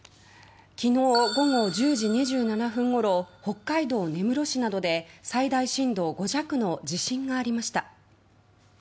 昨日、午後１０時２７分ごろ北海道根室市などで最大震度５弱の地震がありました。